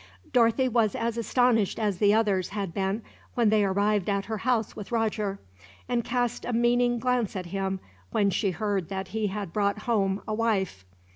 Dorothy was as astonished as the others had been, when they arrived at her house with Roger; and cast a meaning glance at him, when she heard that he had brought home a wife.